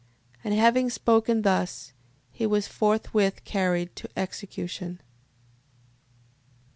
And having spoken thus, he was forthwith carried to execution. 6:29.